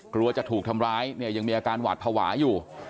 กลัวจะถูกทำร้ายเนี่ยยังมีอาการหวาดภาวะอยู่